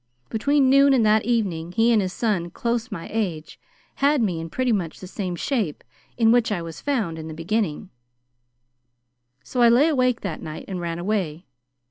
Between noon and that evening, he and his son close my age had me in pretty much the same shape in which I was found in the beginning, so I lay awake that night and ran away.